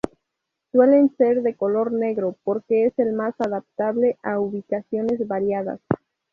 Suelen ser de color negro, porque es el más adaptable a ubicaciones variadas.